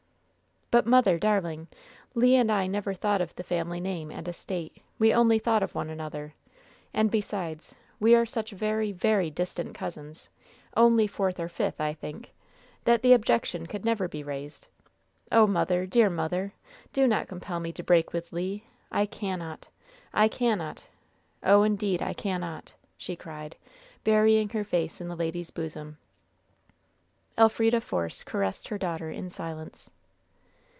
"But, mother, darling, Le and I never thought of the family name and estate; we only thought of one another. And, besides, we are such very, very distant cousins only fourth or fifth, I think that that objection could never be raised. Oh, mother! dear mother! do not compel me to break with Le! I cannot! I cannot! Oh, indeed, I cannot!" she cried, burying her face in the lady's bosom. Elfrida Force caressed her daughter in silence.